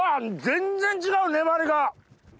全然違う粘りが！